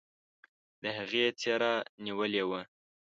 د هغې څيره نيولې وه.